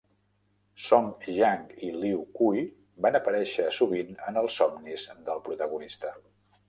Song Jiang i Li Kui van aparèixer sovint en els somnis del protagonista.